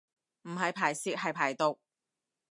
唔係排泄係排毒